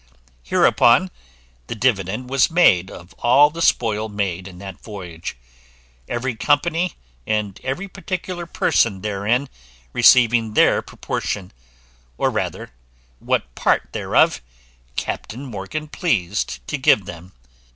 Hereupon the dividend was made of all the spoil made in that voyage; every company, and every particular person therein, receiving their proportion, or rather what part thereof Captain Morgan pleased to give them.